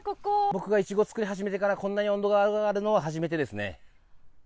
僕がイチゴ作り始めてから、こんなに温度が上がるのは初めてですね。